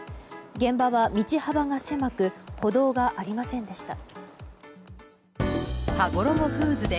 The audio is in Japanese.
現場は道幅が狭く歩道がありませんでした。